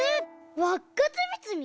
わっかつみつみ！？